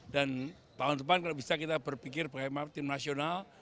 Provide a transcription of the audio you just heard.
dan tahun depan kalau bisa kita berpikir bagaimana tim nasional